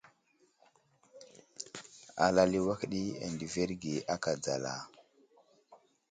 Alal i awak di adəverge aka dzala.